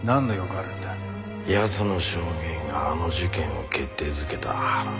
奴の証言があの事件を決定づけた。